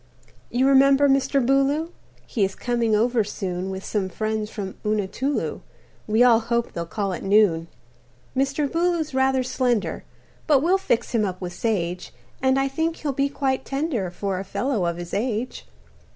"You remember Mr. Booloo? He is coming over soon With some friends from Unatulu We all hope they'll call at noon. "Mr. Booloo's rather slender, But we'll fix him up with sage, And I think he'll be quite tender For a fellow of his age.